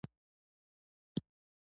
افغانستان د نورستان له پلوه متنوع دی.